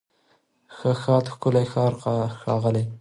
ښه، ښاد، ښکلی، ښار، ښاغلی